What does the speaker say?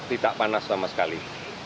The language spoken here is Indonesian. tidak panas sama sekali